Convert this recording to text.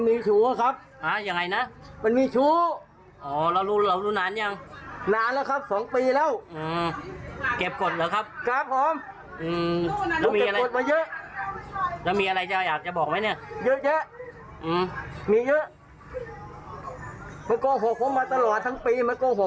มันโกหกผมมาตลอดทั้งปี